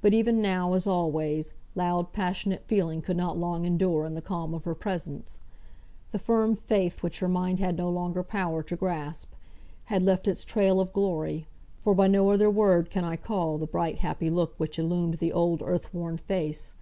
But even now, as always, loud passionate feeling could not long endure in the calm of her presence. The firm faith which her mind had no longer power to grasp, had left its trail of glory; for by no other word can I call the bright happy look which illumined the old earth worn face.